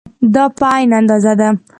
دا په عین اندازه ده.